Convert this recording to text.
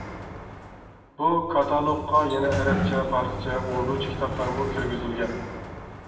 بۇ كاتالوگقا يەنە ئەرەبچە، پارسچە، ئوردۇچە كىتابلارمۇ كىرگۈزۈلگەن.